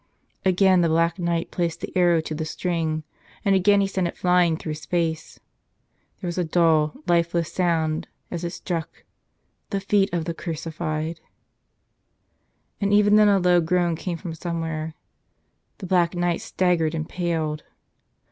Again the Black Knight placed the arrow to the string, and again he sent it flying through space. There was a dull, lifeless sound as it struck — the feet of the Crucified! And even then a low groan came from somewhere. The Black Knight staggered and paled.